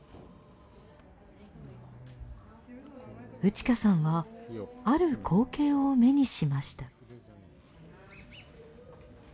ウチカさんはある光景を目にしました。